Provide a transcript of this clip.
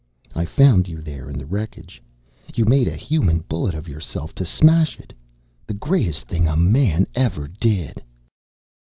"I found you there in the wreckage. You made a human bullet of yourself to smash it! The greatest thing a man ever did!"